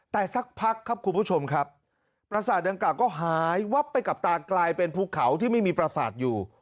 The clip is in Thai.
แต่สักพักครับคุณผู้ชมครับประสาทดังกล่าก็หายวับไปกับตากลายเป็นภูเขาที่ไม่มีประสาทอยู่